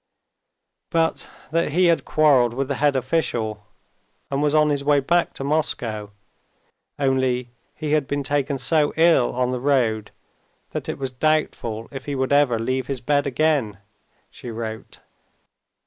But that he had quarreled with the head official, and was on his way back to Moscow, only he had been taken so ill on the road that it was doubtful if he would ever leave his bed again, she wrote.